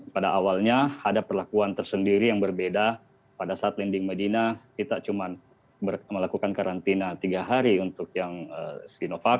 pada awalnya ada perlakuan tersendiri yang berbeda pada saat landing medina kita cuma melakukan karantina tiga hari untuk yang sinovac